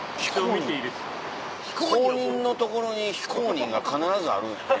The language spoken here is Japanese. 公認の所に非公認が必ずあるんやね。